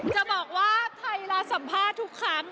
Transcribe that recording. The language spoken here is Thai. จะบอกว่าไทยเราสัมภาษณ์ทุกครั้ง